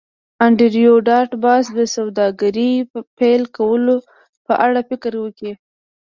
انډریو ډاټ باس د سوداګرۍ پیل کولو په اړه فکر وکړ